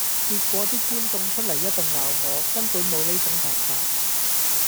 結果啲觀眾出嚟一定鬧我，根本無呢種頭髮！